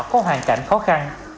có hoàn cảnh khó khăn